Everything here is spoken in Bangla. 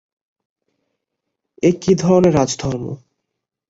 এ কী রকমের রাজধর্ম?